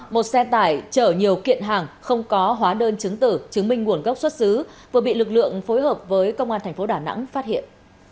một xe tải chở nhiều kiện hàng không có hóa đơn chứng tử chứng minh nguồn gốc xuất xứ vừa bị lực lượng phối hợp với công an thành phố đà nẵng phát hiện